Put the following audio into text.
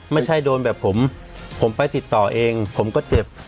ไม่ใช่โดนแบบผมผมไปติดต่อเองผมก็เจ็บ